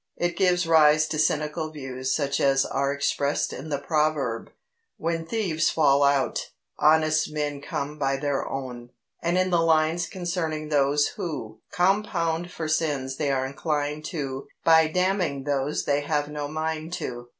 It gives rise to cynical views such as are expressed in the proverb, "When thieves fall out, honest men come by their own," and in the lines concerning those who Compound for sins they are inclined to By damning those they have no mind to.